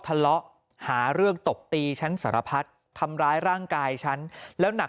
ทะเลาะหาเรื่องตบตีฉันสารพัดทำร้ายร่างกายฉันแล้วหนัก